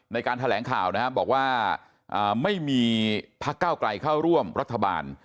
ในการแถลงข่าวนะครับบอกว่าไม่มีพักเก้าไกลเข้าร่วมรัฐบาล